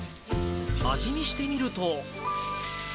味見してみると。